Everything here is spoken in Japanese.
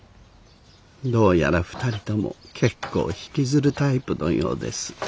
どうやら２人とも結構引きずるタイプのようです。